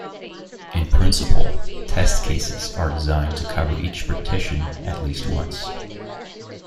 In principle, test cases are designed to cover each partition at least once.